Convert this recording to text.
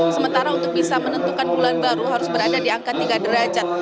sementara untuk bisa menentukan bulan baru harus berada di angka tiga derajat